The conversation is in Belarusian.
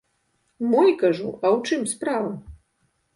Мой, кажу, а ў чым справа?